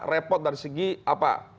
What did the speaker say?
repot dari segi apa